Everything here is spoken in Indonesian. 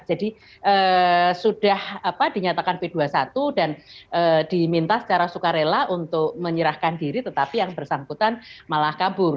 jadi sudah dinyatakan p dua puluh satu dan diminta secara sukarela untuk menyerahkan diri tetapi yang bersangkutan malah kabur